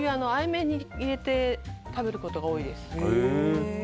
麺に入れて食べることが多いです。